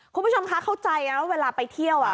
คุณผู้ชมคะเข้าใจนะว่าเวลาไปเที่ยว